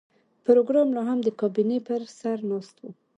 پروګرامر لاهم د کابینې پر سر ناست و